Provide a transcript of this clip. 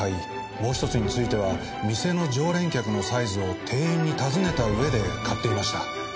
もう１つについては店の常連客のサイズを店員に尋ねた上で買っていました。